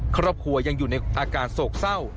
ครอบครัวยังอยู่ในอาการโศกเศร้า